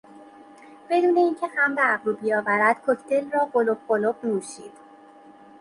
بدون این که خم به ابرو بیاورد کوکتل را قلپ قلپ نوشید.